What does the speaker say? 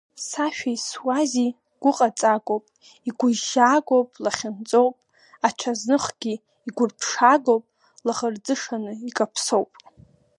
Сашәеи суази гәыҟаҵагоуп, игәыжьжьагоуп, лахьынҵоуп, аҽазныхгьы игәырԥшаагоуп, лаӷырӡышаны икаԥсоуп.